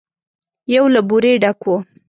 يو له بورې ډک و.